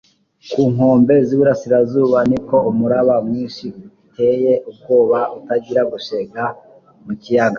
ku nkombe z'iburasirazuba, nuko umuraba mwinshi utcye ubwoba utangira gushega mu kiyaga'.